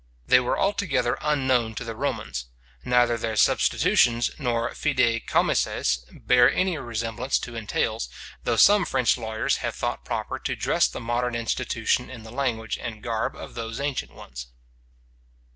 They were altogether unknown to the Romans. Neither their substitutions, nor fidei commisses, bear any resemblance to entails, though some French lawyers have thought proper to dress the modern institution in the language and garb of those ancient ones.